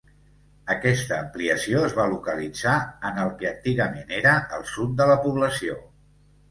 Aquesta ampliació es va localitzar en el que antigament era el sud de la població.